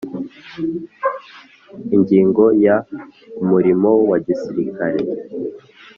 Ingingo ya umurimo wa gisirikare